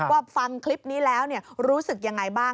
ฟังคลิปนี้แล้วรู้สึกยังไงบ้าง